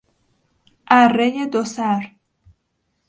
ارهی دوسر